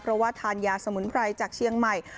เพราะว่าทานยาสมุนไพรจากเชียงใหม่